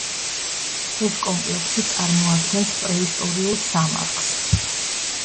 ეს კომპლექსი წარმოადგენს პრეისტორიულ სამარხს.